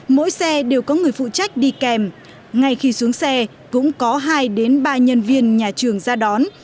mỗi xe đều có người phụ trách đi kèm ngay khi xuống xe cũng có hai ba nhân viên nhà trường ra đón